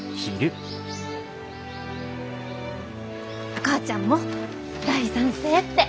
お母ちゃんも大賛成って！